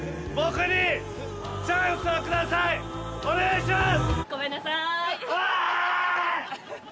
お願いします！